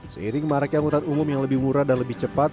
seiring maraknya anggota umum yang lebih murah dan lebih cepat